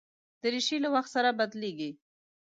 دریشي له وخت سره بدلېږي.